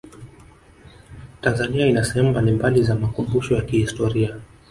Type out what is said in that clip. tanzania ina sehemu mbalimbali za makumbusho ya kihistoria